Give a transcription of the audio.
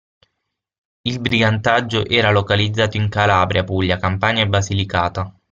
Il brigantaggio era localizzato in Calabria, Puglia, Campania e Basilicata.